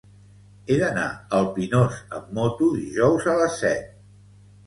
He d'anar al Pinós amb moto dijous a les set.